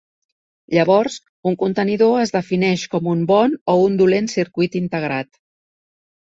Llavors, un contenidor es defineix com un bon o un dolent circuit integrat.